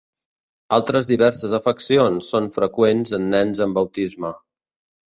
Altres diverses afeccions són freqüents en nens amb autisme.